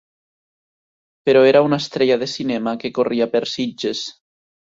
Però era una estrella de cinema que corria per Sitges.